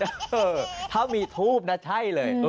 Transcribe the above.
เออถ้ามีทูบนะใช่เลย